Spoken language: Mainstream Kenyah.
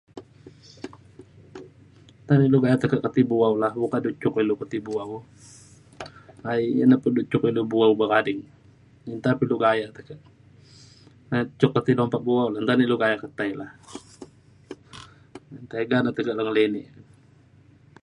Ta lu ti gayak bu’au ka buk ka cuk ke ti ida bu’au ai- ina pa du cuk ida bu’au bek ading. Nta pa du gaya te ja [unintelligible] da pe ti bu’au. Nta na ilu gaya ke tai la’a. Tiga ne tekak ngelinek.